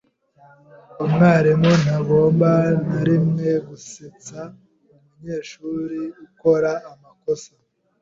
Umwarimu ntagomba na rimwe gusetsa umunyeshuri ukora amakosa.